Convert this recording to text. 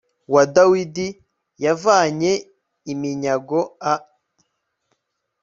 wa dawidi yavanye iminyago a